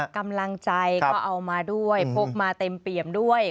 กำลังใจก็เอามาด้วยพกมาเต็มเปี่ยมด้วย